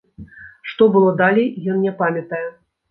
Што было далей, ён не памятае.